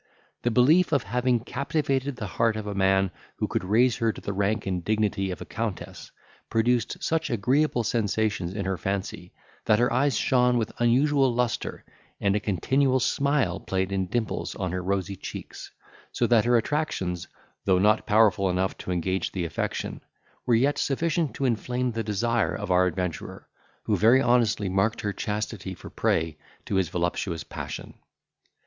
The belief of having captivated the heart of a man who could raise her to the rank and dignity of a countess, produced such agreeable sensations in her fancy, that her eyes shone with unusual lustre, and a continual smile played in dimples on her rosy cheeks; so that her attractions, though not powerful enough to engage the affection, were yet sufficient to inflame the desire of our adventurer, who very honestly marked her chastity for prey to his voluptuous passion.